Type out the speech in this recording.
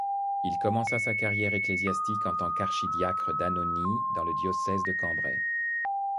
Il commença sa carrière ecclésiastique en tant qu'archidiacre d'Hannonie, dans le diocèse de Cambrai.